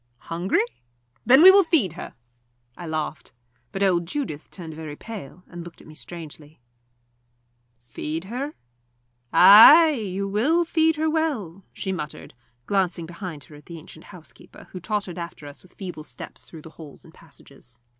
"Hungry? Then we will feed her." I laughed. But old Judith turned very pale, and looked at me strangely. "Feed her? Ay you will feed her well," she muttered, glancing behind her at the ancient housekeeper, who tottered after us with feeble steps through the halls and passages.